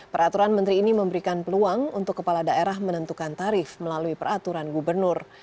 peraturan menteri ini memberikan peluang untuk kepala daerah menentukan tarif melalui peraturan gubernur